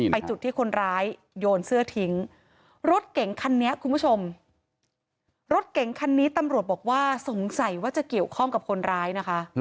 จุดที่คนร้ายโยนเสื้อทิ้งรถเก่งคันนี้คุณผู้ชมรถเก๋งคันนี้ตำรวจบอกว่าสงสัยว่าจะเกี่ยวข้องกับคนร้ายนะคะ